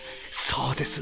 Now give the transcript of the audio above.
そうです